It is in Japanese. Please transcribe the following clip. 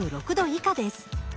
以下です。